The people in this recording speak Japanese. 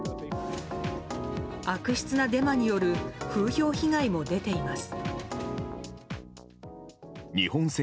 悪質なデマによる風評被害も出ています。